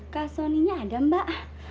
kak soninya ada mbak